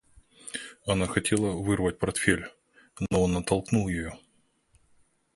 Она хотела вырвать портфель, но он оттолкнул ее.